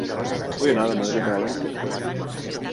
Vull anar de Madrid a València en cotxe.